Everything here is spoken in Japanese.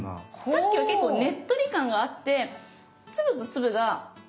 さっきは結構ねっとり感があって粒と粒がくっついてる感じ？